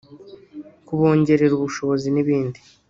kubongerera ubushobozi n’ibindi